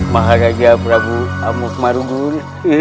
maharaja prabu amusmarugun